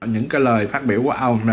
những lời phát biểu của ông